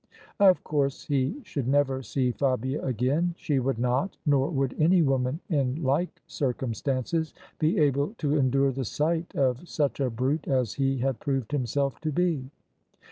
Of course he should never see Fabia again : she would not — nor would any woman in like circumstances — ^be able to endure the sight of such a brute as he had proved himself to be.